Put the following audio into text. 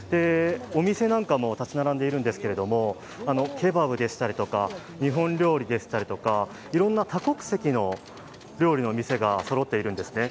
お店なんかも立ち並んでいるんですけれども、ケバブでしたり、日本料理ですとか、多国籍の料理の店がそろっているんですね。